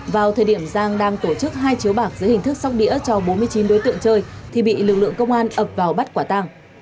vào thời điểm giang đang tổ chức hai chiếu bạc dưới hình thức sóc đĩa cho bốn mươi chín đối tượng chơi thì bị lực lượng công an ập vào bắt quả tàng